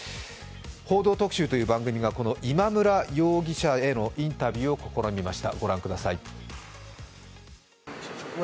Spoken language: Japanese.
「報道特集」という番組が今村容疑者へのインタビューを試みました。